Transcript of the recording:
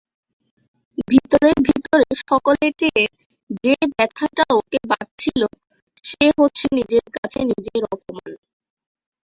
ভিতরে ভিতরে সকলের চেয়ে যে-ব্যথাটা ওকে বাজছিল সে হচ্ছে নিজের কাছে নিজের অপমান।